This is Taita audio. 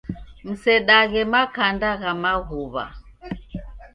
Msedaghe makanda gha maghuwa.